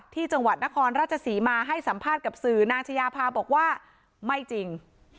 ที่จังหวัดนครราชศรีมาให้สัมภาษณ์กับสื่อนางชายาภาบอกว่าไม่จริง